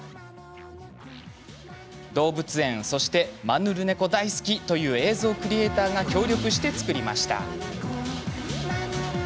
動物園、マヌルネコが大好きという映像クリエーターが協力して作りました。